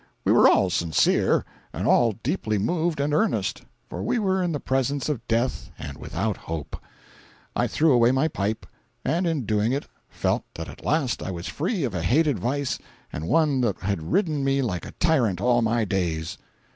We were all sincere, and all deeply moved and earnest, for we were in the presence of death and without hope. I threw away my pipe, and in doing it felt that at last I was free of a hated vice and one that had ridden me like a tyrant all my days.